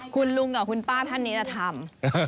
คุณลุงกับคุณป้าท่านนี้จะทำ